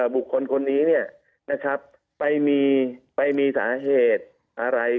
บุคคลคนนี้ไปมีสาเหตุอะไร